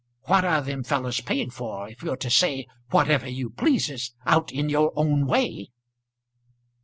What are them fellows paid for if you're to say whatever you pleases out in your own way?"